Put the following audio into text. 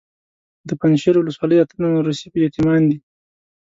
د پنجشیر ولسوالۍ اته تنه روسي یتیمان دي.